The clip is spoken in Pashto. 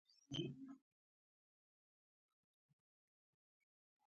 افغانستان د منی په اړه علمي څېړنې لري.